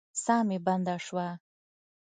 ساه مي بنده سوه.